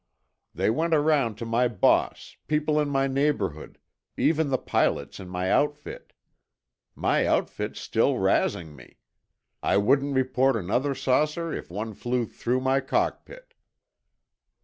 They went around to my boss, people in my neighborhood—even the pilots in my outfit. My outfit's still razzing me. I wouldn't report another saucer if one flew through my cockpit."